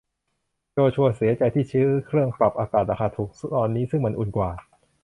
โจชัวเสียใจที่ซื้อเครื่องปรับอากาศราคาถูกตอนนี้ซึ่งมันอุ่นกว่า